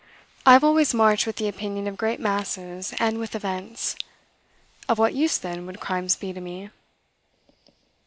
I have always marched with the opinion of great masses, and with events. Of what use, then, would crimes be to me?"